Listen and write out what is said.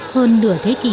hơn nửa thế kỷ trôi qua